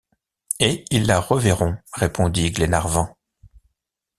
Et ils la reverront, répondit Glenarvan.